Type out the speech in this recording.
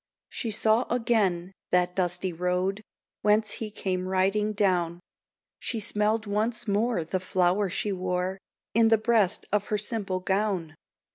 She saw again that dusty road Whence he came riding down; She smelled once more the flower she wore In the breast of her simple gown.